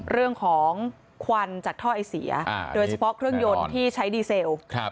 เรื่องของควันจากท่อไอเสียโดยเฉพาะเครื่องยนต์ที่ใช้ดีเซล